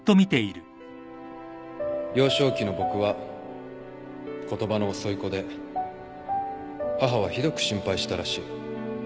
幼少期の僕は言葉の遅い子で母はひどく心配したらしい。